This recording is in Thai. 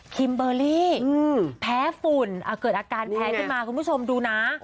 คิมเบอร์รี่แพ้ฝุ่นเกิดอาการแพ้ขึ้นมาคุณผู้ชมดูนะ